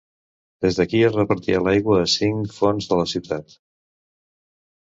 Des d'aquí es repartia l'aigua a cinc fonts de la ciutat.